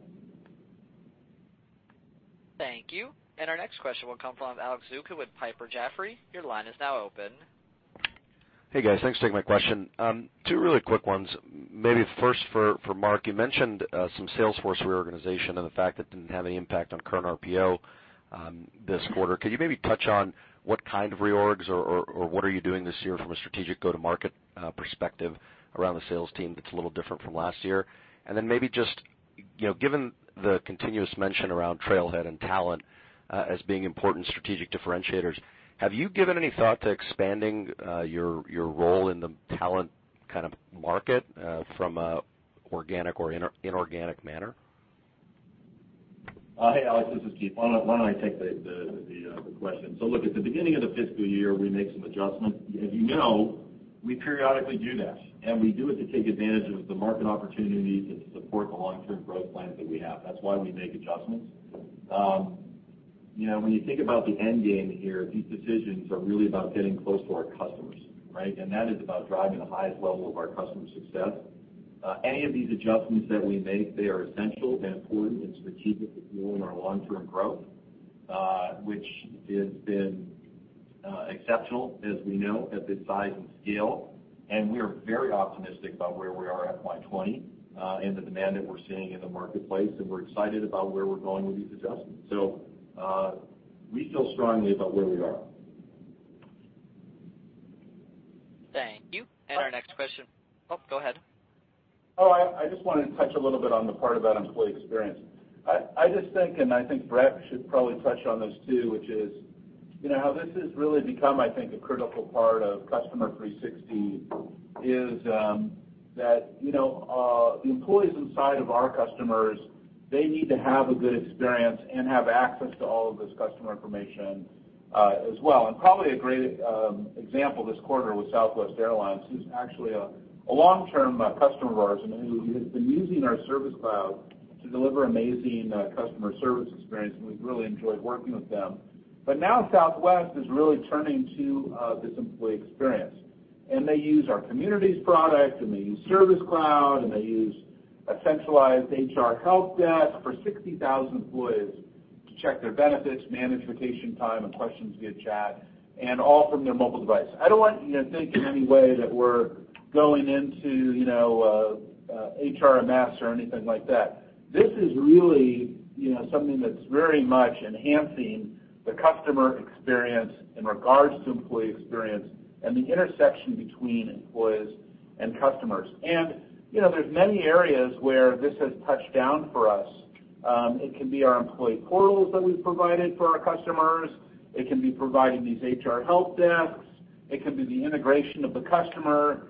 Speaker 1: Thank you. Our next question will come from Alex Zukin with Piper Jaffray. Your line is now open.
Speaker 12: Hey, guys. Thanks for taking my question. Two really quick ones. Maybe first for Mark. You mentioned some Salesforce reorganization and the fact that it did not have any impact on current RPO this quarter. Could you maybe touch on what kind of reorgs, or what are you doing this year from a strategic go-to-market perspective around the sales team that is a little different from last year? Then maybe just, given the continuous mention around Trailhead and talent as being important strategic differentiators, have you given any thought to expanding your role in the talent market from an organic or inorganic manner?
Speaker 4: Hey, Alex, this is Keith. Why do not I take the question. Look, at the beginning of the fiscal year, we made some adjustments. As you know, we periodically do that, and we do it to take advantage of the market opportunities and to support the long-term growth plans that we have. That is why we make adjustments. When you think about the end game here, these decisions are really about getting close to our customers, right? That is about driving the highest level of our customer success. Any of these adjustments that we make, they are essential, and important, and strategic to fueling our long-term growth, which has been exceptional, as we know, at this size and scale. We are very optimistic about where we are FY 2020, and the demand that we are seeing in the marketplace, and we are excited about where we are going with these adjustments.
Speaker 7: We feel strongly about where we are.
Speaker 1: Thank you. Our next question-- Oh, go ahead.
Speaker 4: Oh, I just wanted to touch a little bit on the part about employee experience. I just think, I think Bret should probably touch on this, too, which is, how this has really become, I think, a critical part of Customer 360 is, that the employees inside of our customers, they need to have a good experience and have access to all of this customer information as well. Probably a great example this quarter was Southwest Airlines, who's actually a long-term customer of ours, who has been using our Service Cloud to deliver amazing customer service experience, we've really enjoyed working with them. Now Southwest is really turning to this employee experience.
Speaker 3: They use our Communities product, and they use Service Cloud, and they use a centralized HR help desk for 60,000 employees to check their benefits, manage vacation time, and questions via chat, and all from their mobile device. I don't want you to think in any way that we're going into HRMS or anything like that. This is really something that's very much enhancing the customer experience in regards to employee experience and the intersection between employees and customers. There's many areas where this has touched down for us. It can be our employee portals that we've provided for our customers. It can be providing these HR help desks. It can be the integration of the customer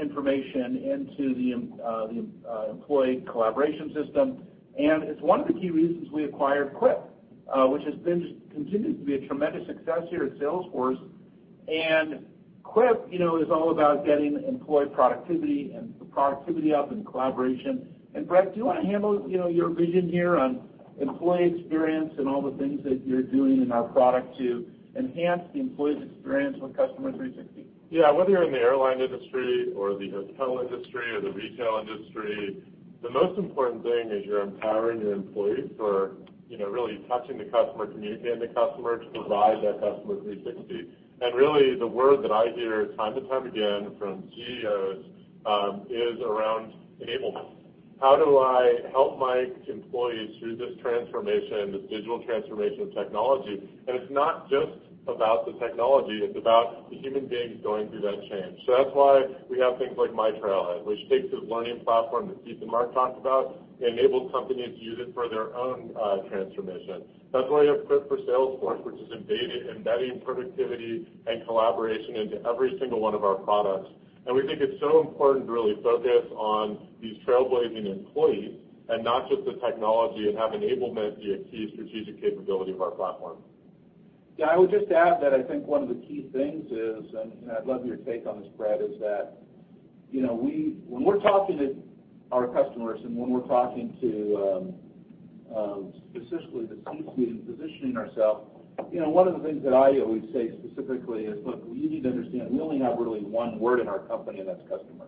Speaker 3: information into the employee collaboration system. It's one of the key reasons we acquired Quip, which has continued to be a tremendous success here at Salesforce. Quip is all about getting employee productivity up and collaboration. Bret, do you want to handle your vision here on employee experience and all the things that you're doing in our product to enhance the employee's experience with Customer 360?
Speaker 7: Yeah. Whether you're in the airline industry or the hotel industry or the retail industry, the most important thing is you're empowering your employees for really touching the customer, communicating the customer, to provide that Customer 360. Really, the word that I hear time and time again from CEOs is around enablement. How do I help my employees through this transformation, this digital transformation of technology? It's not just about the technology, it's about the human beings going through that change. That's why we have things like myTrailhead, which takes this learning platform that Keith and Marc talked about, and enables companies to use it for their own transformation. That's why you have Quip for Salesforce, which is embedding productivity and collaboration into every single one of our products. We think it's so important to really focus on these trailblazing employees and not just the technology, and have enablement be a key strategic capability of our platform.
Speaker 3: Yeah, I would just add that I think one of the key things is, I'd love your take on this, Bret, is that when we're talking to our customers and when we're talking to specifically the C-suite and positioning ourself, one of the things that I always say specifically is, "Look, you need to understand, we only have really one word in our company, and that's customer.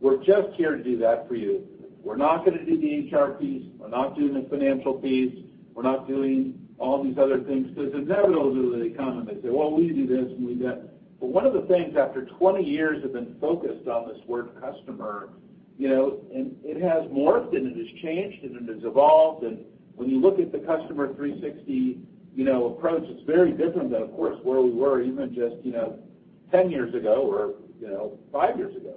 Speaker 3: We're just here to do that for you. We're not going to do the HR piece. We're not doing the financial piece. We're not doing all these other things." Inevitably, they come, and they say, "Well, we do this, and we do that." One of the things, after 20 years of being focused on this word customer, it has morphed, it has changed, it has evolved. When you look at the Customer 360 approach, it's very different than, of course, where we were even just 10 years ago or 5 years ago.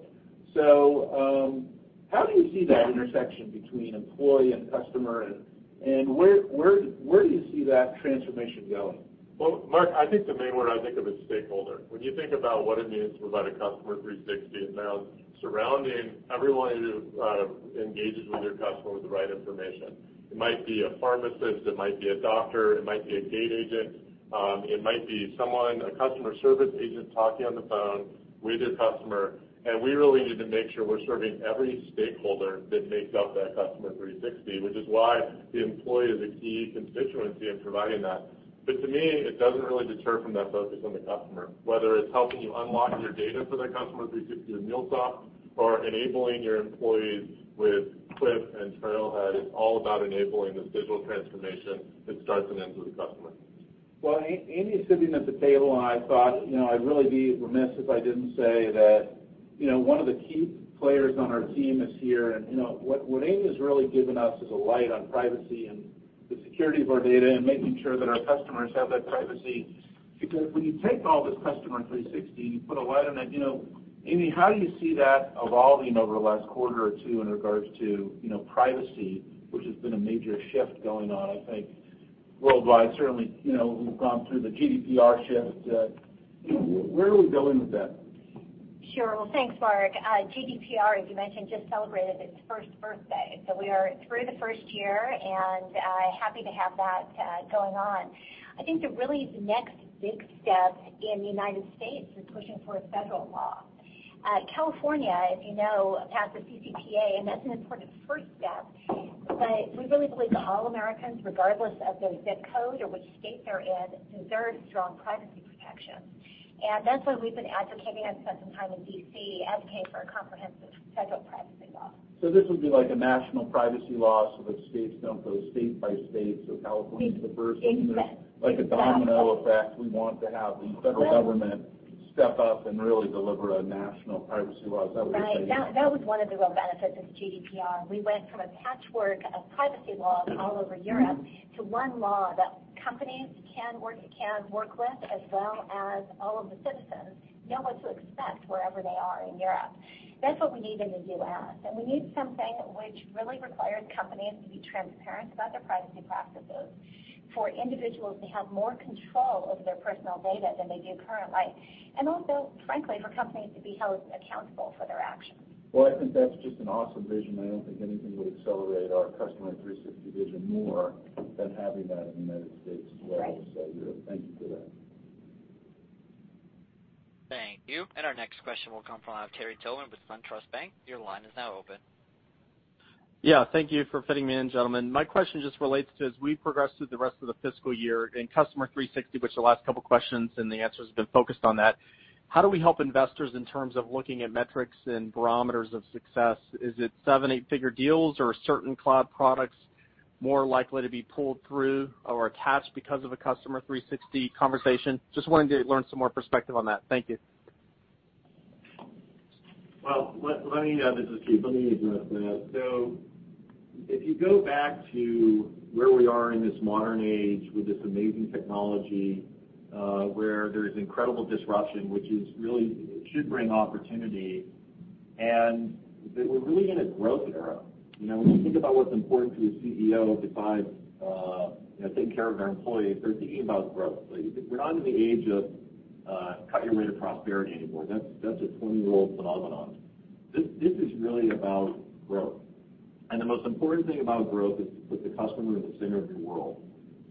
Speaker 3: How do you see that intersection between employee and customer, and where do you see that transformation going?
Speaker 7: Well, Marc, I think the main word I think of is stakeholder. When you think about what it means to provide a Customer 360, it now is surrounding everyone who engages with your customer with the right information. It might be a pharmacist, it might be a doctor, it might be a gate agent. It might be a customer service agent talking on the phone with your customer. We really need to make sure we're serving every stakeholder that makes up that Customer 360, which is why the employee is a key constituency in providing that. To me, it doesn't really deter from that focus on the customer, whether it's helping you unlock your data for that Customer 360 with MuleSoft or enabling your employees with Quip and Trailhead. It's all about enabling this digital transformation that starts and ends with the customer.
Speaker 3: Well, Amy is sitting at the table, and I thought I'd really be remiss if I didn't say that one of the key players on our team is here. What Amy has really given us is a light on privacy and the security of our data and making sure that our customers have that privacy. When you take all this Customer 360, you put a light on it. Amy, how do you see that evolving over the last quarter or two in regards to privacy, which has been a major shift going on, I think, worldwide? Certainly, we've gone through the GDPR shift. Where are we going with that?
Speaker 13: Sure. Well, thanks, Marc. GDPR, as you mentioned, just celebrated its first birthday. We are through the first year, and happy to have that going on. I think that really the next big step in the United States is pushing for a federal law. California, as you know, passed the CCPA, and that's an important first step. We really believe that all Americans, regardless of their zip code or which state they're in, deserve strong privacy protections. That's why we've been advocating, I've spent some time in D.C. advocating for a comprehensive federal privacy law.
Speaker 3: This would be like a national privacy law, so that states don't go state by state. California is the first-
Speaker 13: Exactly.
Speaker 3: Like a domino effect. We want to have the federal government step up and really deliver a national privacy law. Is that what you're saying?
Speaker 13: Right. That was one of the real benefits of GDPR. We went from a patchwork of privacy laws all over Europe to one law that companies can work with, as well as all of the citizens know what to expect wherever they are in Europe. That's what we need in the U.S. We need something which really requires companies to be transparent about their privacy practices, for individuals to have more control over their personal data than they do currently, and also, frankly, for companies to be held accountable for their actions.
Speaker 3: I think that's just an awesome vision. I don't think anything would accelerate our Customer 360 vision more than having that in the United States as well as Europe.
Speaker 13: Right.
Speaker 3: Thank you for that.
Speaker 1: Thank you. Our next question will come from Terry Tillman with SunTrust Bank. Your line is now open.
Speaker 14: Yeah. Thank you for fitting me in, gentlemen. My question just relates to, as we progress through the rest of the fiscal year in Customer 360, which the last couple questions and the answers have been focused on that, how do we help investors in terms of looking at metrics and barometers of success? Is it seven, eight-figure deals or certain cloud products more likely to be pulled through or attached because of a Customer 360 conversation? Just wanted to learn some more perspective on that. Thank you.
Speaker 4: Well, this is Keith. Let me address that. If you go back to where we are in this modern age with this amazing technology, where there's incredible disruption, which really should bring opportunity, and that we're really in a growth era. When you think about what's important to a CEO besides taking care of their employees, they're thinking about growth. We're not in the age of cut your rate of prosperity anymore. That's a 20-year-old phenomenon. This is really about growth. The most important thing about growth is to put the customer at the center of your world,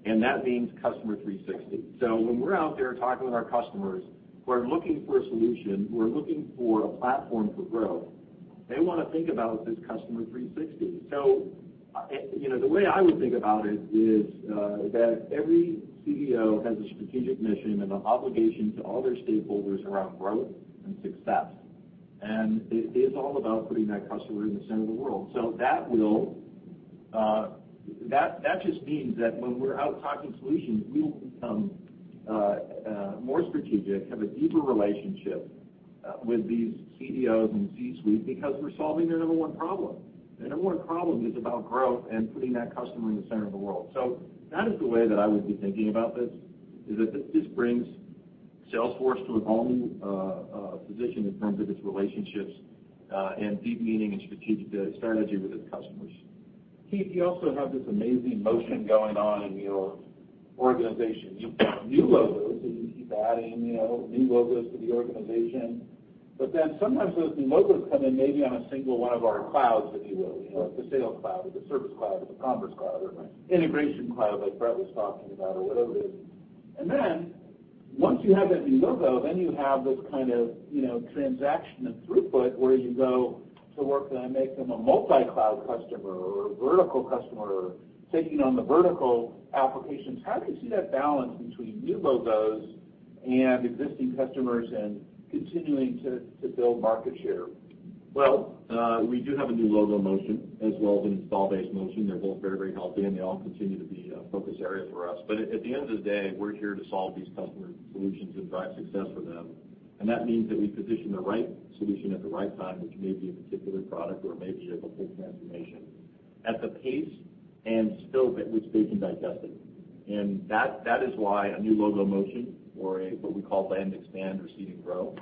Speaker 4: and that means Customer 360. When we're out there talking with our customers who are looking for a solution, who are looking for a platform for growth, they want to think about this Customer 360. The way I would think about it is that every CEO has a strategic mission and an obligation to all their stakeholders around growth and success. It is all about putting that customer in the center of the world. That just means that when we're out talking solutions, we will become more strategic, have a deeper relationship with these CEOs and C-suite because we're solving their number one problem. Their number one problem is about growth and putting that customer in the center of the world. That is the way that I would be thinking about this, is that this brings Salesforce to a whole new position in terms of its relationships and deep meaning and strategic strategy with its customers.
Speaker 3: Keith, you also have this amazing motion going on in your organization. You've got new logos, and you keep adding new logos to the organization. Sometimes those new logos come in maybe on a single one of our clouds, if you will. The Sales Cloud or the Service Cloud or the Commerce Cloud or the integration cloud like Bret was talking about or whatever it is. Once you have that new logo, then you have this kind of transaction and throughput where you go to work, then I make them a multi-cloud customer or a vertical customer, or taking on the vertical applications. How do you see that balance between new logos and existing customers and continuing to build market share?
Speaker 4: Well, we do have a new logo motion as well as an install-based motion. They're both very healthy, and they all continue to be a focus area for us. At the end of the day, we're here to solve these customer solutions and drive success for them. That means that we position the right solution at the right time, which may be a particular product or may be of a whole transformation, at the pace and scope at which they can digest it. That is why a new logo motion or what we call land expand or seed and grow,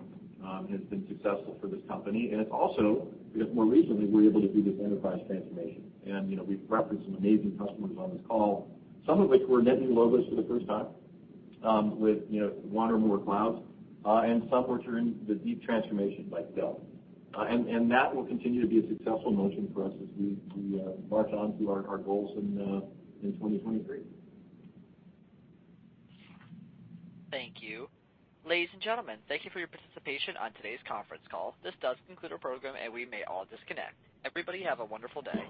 Speaker 4: has been successful for this company. It's also because more recently, we're able to do this enterprise transformation. We've referenced some amazing customers on this call, some of which were net new logos for the first time, with one or more clouds, and some which are in the deep transformation like Dell. That will continue to be a successful motion for us as we march on to our goals in 2023.
Speaker 1: Thank you. Ladies and gentlemen, thank you for your participation on today's conference call. This does conclude our program, and we may all disconnect. Everybody have a wonderful day.